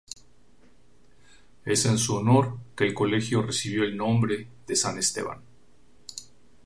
Es en su honor que el Colegio recibió el nombre de San Esteban.